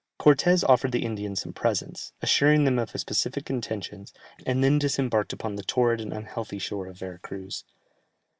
Cortès offered the Indians some presents, assuring them of his pacific intentions, and then disembarked upon the torrid and unhealthy shore of Vera Cruz.